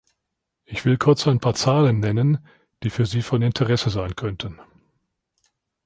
Ich will kurz ein paar Zahlen nennen, die für Sie von Interesse sein könnten.